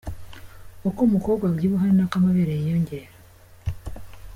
Uko umukobwa abyibuha ni na ko amabere yiyongera.